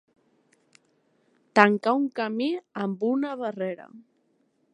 Tancar un camí amb una barrera.